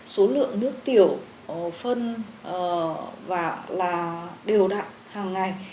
số lượng nước tiểu phân và đều đặn hàng ngày